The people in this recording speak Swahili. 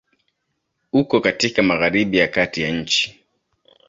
Uko katika Magharibi ya Kati ya nchi.